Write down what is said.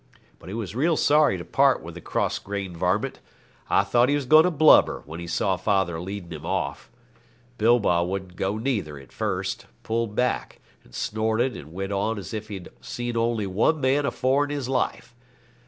But he was real sorry to part with the cross grained varmint; I thought he was going to blubber when he saw father leading him off. Bilbah wouldn't go neither at first; pulled back, and snorted and went on as if he'd never seen only one man afore in his life.